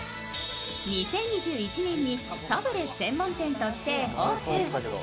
２０２１年にサブレ専門店としてオープン。